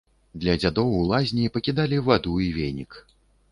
Для дзядоў у лазні пакідалі ваду і венік.